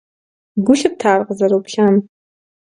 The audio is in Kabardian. Гу лъыпта ар къызэроплъам?